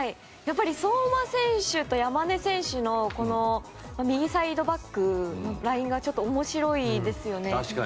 相馬選手と山根選手の右サイドバックのラインが面白いですよね。